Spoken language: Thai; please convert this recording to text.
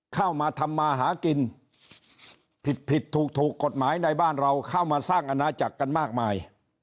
เข้ามาทำมาหากินผิดผิดถูกกฎหมายในบ้านเราเข้ามาสร้างอาณาจักรกันมากมาย